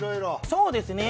そうですね。